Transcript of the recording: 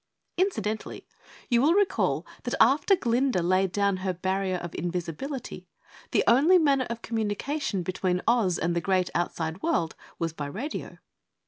Incidentally, you will recall that after Glinda laid down her Barrier of Invisibility, the only manner of communication between Oz and the Great Outside World was by radio.